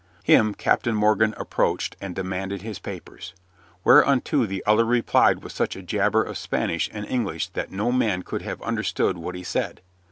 Him Captain Morgan approached and demanded his papers, whereunto the other replied with such a jabber of Spanish and English that no man could have understood what he said.